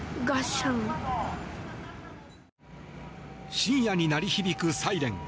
深夜に鳴り響くサイレン。